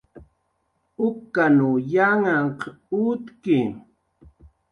ukanw yanhanhq utki